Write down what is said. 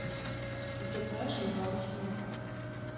І тут мяч на беларускім баку.